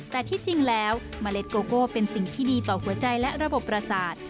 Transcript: แต่ที่จริงแล้วเมล็ดโกโก้เป็นสิ่งที่ดีต่อหัวใจและระบบประสาท